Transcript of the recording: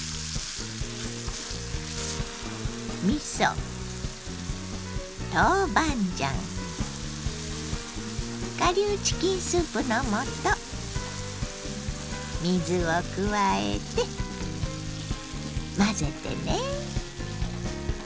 みそ豆板醤顆粒チキンスープの素水を加えて混ぜてね。